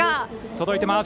届いてます！